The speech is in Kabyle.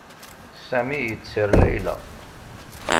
Sami yetter Layla.